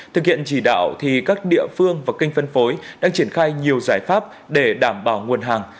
thực hiện chỉ đạo thì các địa phương và kênh phân phối đang triển khai nhiều giải pháp để đảm bảo nguồn hàng